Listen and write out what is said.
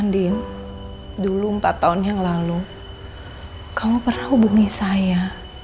andin dulu empat tahun yang lalu kamu pernah hubungi saya